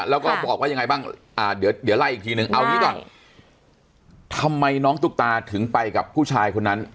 แล้วก็บอกว่ายังไงบ้างเดี๋ยวไล่อีกทีนึงเอางี้ก่อนทำไมน้องตุ๊กตาถึงไปกับผู้ชายคนนั้น